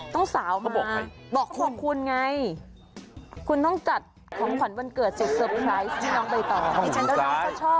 ต้องสาวมาบอกคุณไงคุณต้องจัดของขวัญวันเกิดจดสเตอร์ไพรส์ที่น้องได้ต่อ